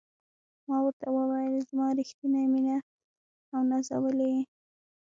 ما ورته وویل: ته زما ریښتینې مینه او نازولې یې.